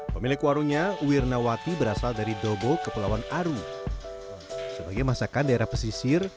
pemilik warungnya wirnawati berasal dari dobo kepulauan aru sebagai masakan daerah pesisir